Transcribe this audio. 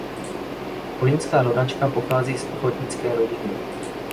Kolínská rodačka pochází z ochotnické rodiny.